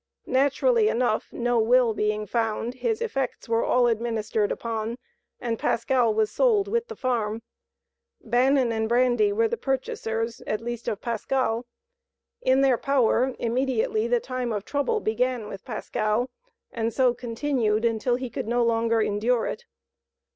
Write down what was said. Naturally enough, no will being found, his effects were all administered upon and Pascal was sold with the farm. Bannon and Brady were the purchasers, at least of Pascal. In their power, immediately the time of trouble began with Pascal, and so continued until he could no longer endure it.